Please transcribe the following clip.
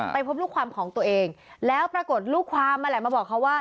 ไปพบลูกความของตัวเองแล้วปรากฏลูกความนั่นแหละมาบอกเขาว่า